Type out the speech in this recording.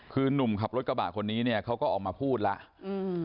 คือนุ่มขับรถกระบาดคนนี้เขาก็ออกมาพูดแล้ว